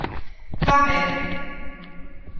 Fan ben.